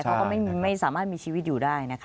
เขาก็ไม่สามารถมีชีวิตอยู่ได้นะคะ